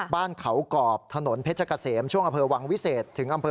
บ้านเขากรอบถนนเพชรเกษมช่วงอำเภอวังวิเศษถึงอำเภอ